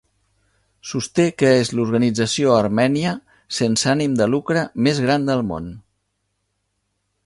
Sosté que és l'organització armènia sense ànim de lucre més gran del món.